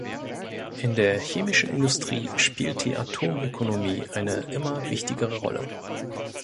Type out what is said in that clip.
In der chemischen Industrie spielt die Atomökonomie eine immer wichtigere Rolle.